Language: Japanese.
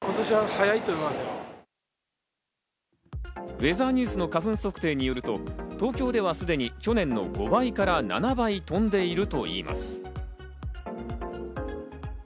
ウェザーニュースの花粉測定によりますと、東京ではすでに去年の５倍から７倍飛んでいるといいます。